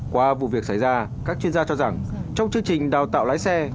qua vụ việc xảy ra các chuyên gia cho rằng trong chương trình đào tạo lái xe